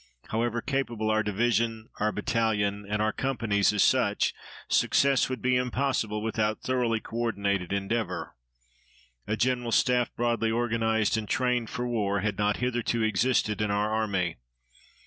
However capable our division, our battalion, and our companies as such, success would be impossible without thoroughly co ordinated endeavor. A General Staff broadly organized and trained for war had not hitherto existed in our army.